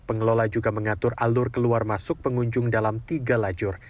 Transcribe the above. pengelola juga mengatur alur keluar masuk pengunjung dalam tiga lajur